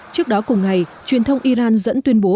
trước đó cùng ngày truyền thông iran dẫn tuyên bố